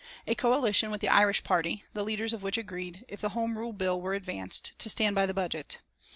A coalition with the Irish party, the leaders of which agreed, if the Home Rule bill were advanced, to stand by the budget.